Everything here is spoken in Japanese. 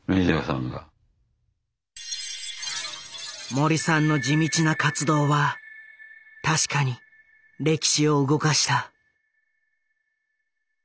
森さんの地道な活動は確かに歴史を動かした。